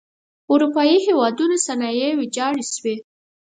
اروپايي هېوادونو صنایع ویجاړې شوئ.